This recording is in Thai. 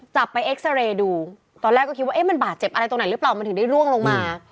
จับไปเอ็กซาเรย์ดูตอนแรกก็คิดว่าเอ๊ะมันบาดเจ็บอะไรตรงไหนหรือเปล่ามันถึงได้ร่วงลงมา